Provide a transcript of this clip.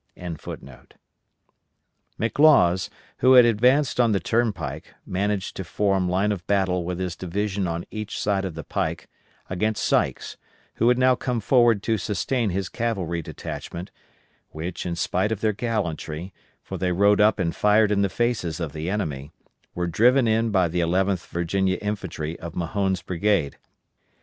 ] McLaws, who had advanced on the turnpike, managed to form line of battle with his division on each side of the pike, against Sykes, who had now come forward to sustain his cavalry detachment, which, in spite of their gallantry for they rode up and fired in the faces of the enemy were driven in by the 11th Virginia Infantry of Mahone's brigade.